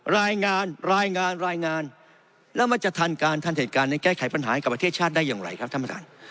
รายงานรายงานรายงานแล้วมันจะทันการทันเหตุการณ์ในแก้ไขปัญหาให้กับประเทศชาติได้อย่างไรครับท่านประธาน